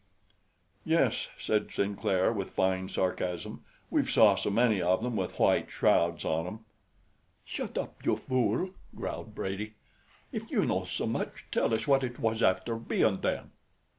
"Yes," said Sinclair with fine sarcasm, "we've saw so many of them with white shrouds on 'em." "Shut up, you fool!" growled Brady. "If you know so much, tell us what it was after bein' then."